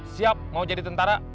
siap mau jadi tentara